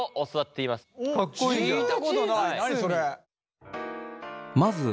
聞いたことない何それ？